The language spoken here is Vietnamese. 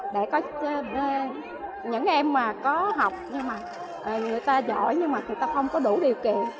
để có những em mà có học nhưng mà người ta giỏi nhưng mà người ta không có đủ điều kiện